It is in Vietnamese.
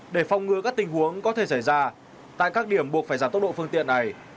để phòng ngừa các tình huống có thể xảy ra tại các điểm buộc phải giảm tốc độ phương tiện này